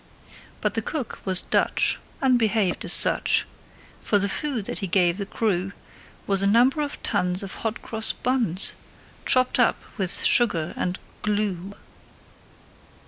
But the cook was Dutch, and behaved as such; For the food that he gave the crew Was a number of tons of hot cross buns, Chopped up with sugar and glue.